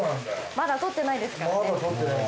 まだ撮ってないからね。